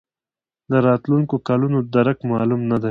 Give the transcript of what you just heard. د راتلونکو کلونو درک معلوم نه دی.